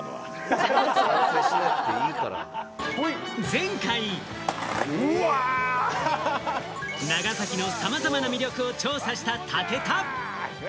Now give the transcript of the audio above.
前回、長崎のさまざまな魅力を調査した武田。